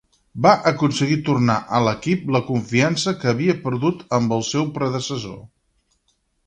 Va aconseguir tornar a l'equip la confiança que havia perdut amb el seu predecessor.